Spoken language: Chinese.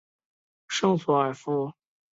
圣索尔夫。